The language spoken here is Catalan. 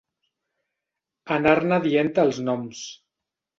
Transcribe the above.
Anar-ne dient els noms.